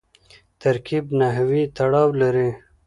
ترکیب نحوي تړاو لري.